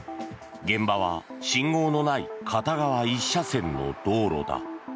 現場は信号のない片側１車線の道路だ。